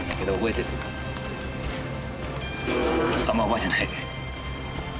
あんま覚えてないね。